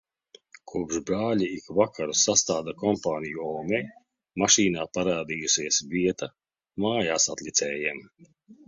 Kopš brāļi ik vakaru sastāda kompāniju omei, mašīnā parādījusies vieta mājāsatlicējiem.